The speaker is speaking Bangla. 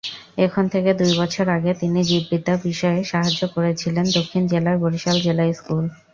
এখন থেকে দুই বছর আগে তিনি জীববিদ্যা বিষয়ে সাহায্য করেছিলেন দক্ষিণ জেলার বরিশাল জিলা স্কুল।